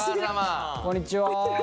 こんにちは。